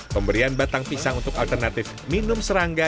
pemberian batang pisang untuk alternatif minum serangga